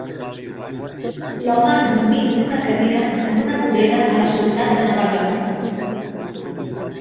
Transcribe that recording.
L'home dormint en una cadira en una vorera a la ciutat de Nova York.